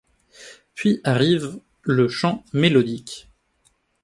Puis arrive le chant mélodique.